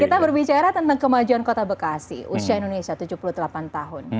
kita berbicara tentang kemajuan kota bekasi usia indonesia tujuh puluh delapan tahun